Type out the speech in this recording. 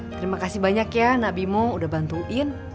terima kasih banyak ya nabimo udah bantuin